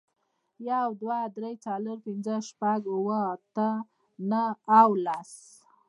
یو، دوه، درې، څلور، پینځه، شپږ، اووه، اته، نهه او لس